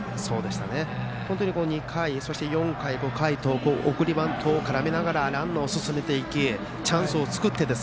本当に２回、そして４回、５回と送りバントを絡めながらランナーを進めていきチャンスを作っていて。